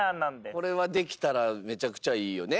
これはできたらめちゃくちゃいいよね